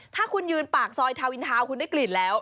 ถ้าคุณยืนปากซอยทาวินทาวน์คุณได้กลิ่นแล้ว